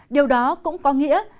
điều đó cũng có nghĩa